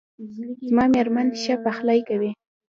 زما میرمن ښه پخلی کوي